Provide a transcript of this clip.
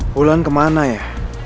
wulan kemana ya